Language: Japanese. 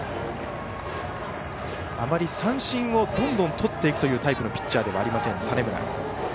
あまり三振をどんどんとっていくというタイプのピッチャーではありません、種村。